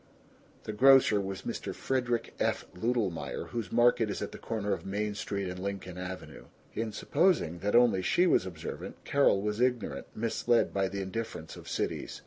(The grocer was Mr. Frederick F. Ludelmeyer, whose market is at the corner of Main Street and Lincoln Avenue. In supposing that only she was observant Carol was ignorant, misled by the indifference of cities.